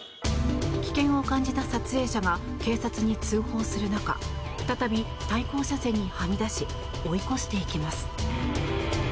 危険を感じた撮影者が警察に通報する中再び、対向車線にはみ出し追い越していきます。